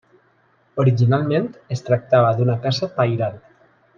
Originalment es tractava d'una casa pairal.